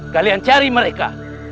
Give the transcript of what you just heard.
kalian cari mereka